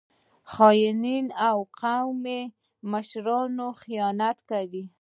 خانان او قومي مشران خیانت کوي.